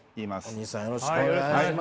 大西さんよろしくお願いします。